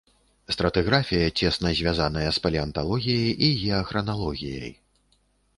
Стратыграфія цесна звязаная з палеанталогіяй і геахраналогіяй.